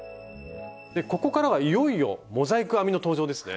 でここからはいよいよモザイク編みの登場ですね。